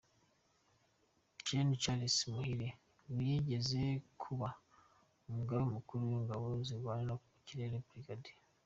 Gen Charles Muhire wigeze kuba Umugaba Mukuru w’Ingabo zirwanira mu Kirere; Brig.